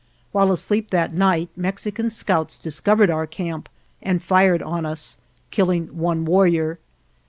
While asleep that night Mexican scouts discovered our camp and fired on us, killing one warrior.